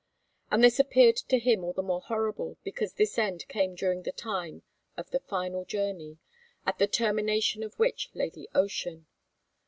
And this appeared to him all the more horrible because this end came during the time of the final journey, at the termination of which lay the ocean.